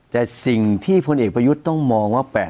แต่สิ่งที่พลเอกประยุทธ์ต้องมองว่า